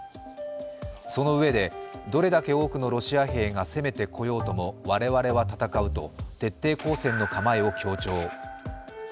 そのうえで、どれだけ多くのロシア兵が攻めてこようとも我々は戦うと徹底抗戦の構えを強調。